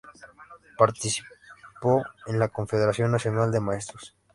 Participó en la Confederación Nacional de Maestros.